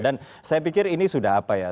dan saya pikir ini sudah apa ya